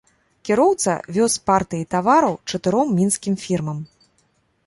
Кіроўца вёз партыі тавараў чатыром мінскім фірмам.